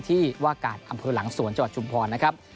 ที่ว่ากาศอำเภอหลังสวนจังหวัดชุมพรนะครับ